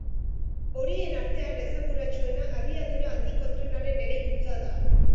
Horien artean esanguratsuena abiadura handiko trenaren eraikuntza da.